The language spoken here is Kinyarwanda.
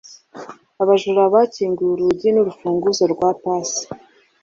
Abajura bakinguye urugi nurufunguzo rwa pass.